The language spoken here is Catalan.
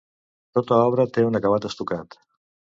Tota l'obra té un acabat estucat.